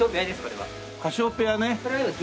カシオペアです